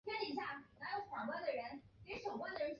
担任广东省韶关市技师学院院长。